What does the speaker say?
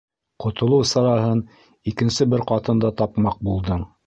Ҡотолоу сараһын икенсе бер ҡатында тапмаҡ булдың.